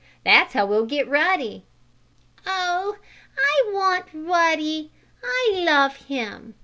That's how we'll get Ruddy." "Oh, I want Ruddy! I love him!"